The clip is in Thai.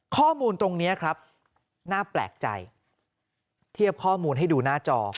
ข้อมูลตรงนี้ครับน่าแปลกใจเทียบข้อมูลให้ดูหน้าจอ